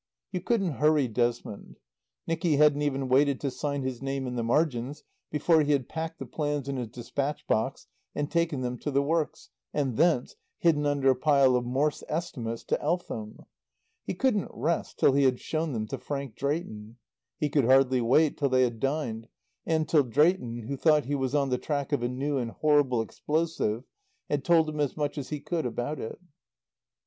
You couldn't hurry Desmond. Nicky hadn't even waited to sign his name in the margins before he had packed the plans in his dispatch box and taken them to the works, and thence, hidden under a pile of Morss estimates, to Eltham. He couldn't rest till he had shown them to Frank Drayton. He could hardly wait till they had dined, and till Drayton, who thought he was on the track of a new and horrible explosive, had told him as much as he could about it.